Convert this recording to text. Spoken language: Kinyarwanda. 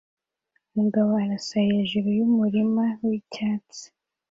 Umugabo arasa hejuru yumurima wicyatsi